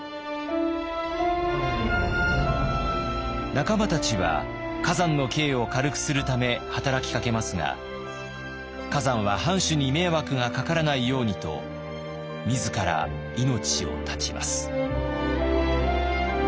仲間たちは崋山の刑を軽くするため働きかけますが崋山は藩主に迷惑がかからないようにと自ら命を絶ちます。